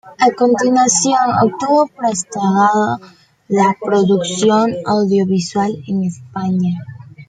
A continuación obtuvo un postgrado en producción audiovisual en España.